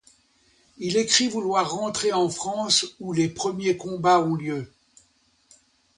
Il écrit vouloir rentrer en France où les premiers combats ont lieu.